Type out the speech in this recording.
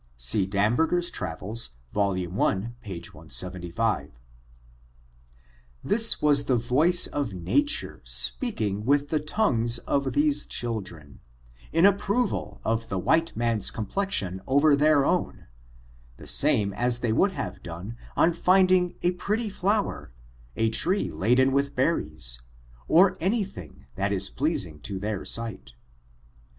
See Dany berger^s TVaveU^ vol. i, p. 175. This was the voice of nature speaking with the tongues of these children, in approval of the white man's complexion over their own, the same as they would have done on finding a pretty flower, a tree laden with berries, or any thing that was pleasing to their sight.